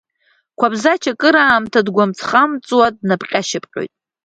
Қәабзач акыр аамҭа дгәамҵхамҵуа, днапҟьа-шьапҟьоит.